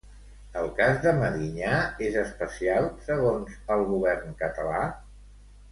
El cas de Medinyà és especial, segons el govern català?